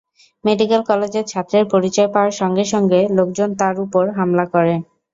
Medical কলেজের ছাত্রের পরিচয় পাওয়ার সঙ্গে সঙ্গে লোকজন তাঁর ওপর হামলা করে।